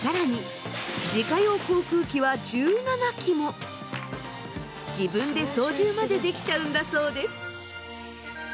更に自分で操縦までできちゃうんだそうです。